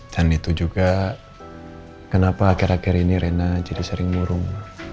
itu juga kenapa akhir akhir ini rena jadi sering ngurung